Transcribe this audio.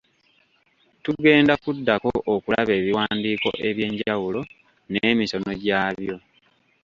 Tugenda kuddako okulaba ebiwandiiko eby'enjawulo n'emisono gya byo.